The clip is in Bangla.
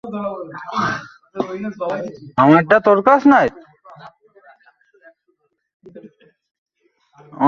এই বাল টা কি?